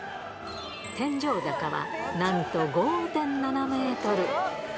天井高はなんと５．７メートル。